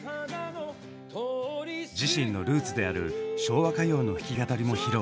自身のルーツである昭和歌謡の弾き語りも披露！